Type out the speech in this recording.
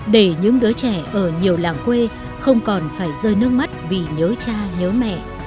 để những đứa trẻ ở nhiều làng quê không còn phải rơi nước mắt vì nhớ cha nhớ mẹ